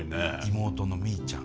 妹のみーちゃん。